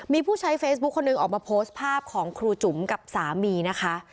มีผู้ใช้เฟซบุ๊คคนหนึ่งออกมาโพสต์ภาพของครูจุ๋มกับสามีนะคะ